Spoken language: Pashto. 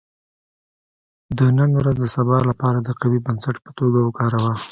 • د نن ورځ د سبا لپاره د قوي بنسټ په توګه وکاروه.